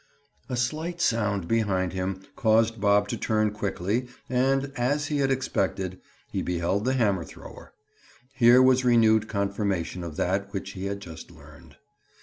A slight sound behind him caused Bob to turn quickly and, as he had expected, he beheld the hammer thrower. Here was renewed confirmation of that which he had just learned.